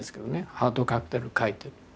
「『ハートカクテル』描いてる」って。